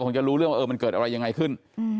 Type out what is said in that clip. จะรู้เรื่องว่ามันเกิดอะไรยังไงขึ้น